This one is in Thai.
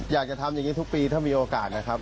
อยากจะทำอย่างนี้ทุกปีถ้ามีโอกาสนะครับ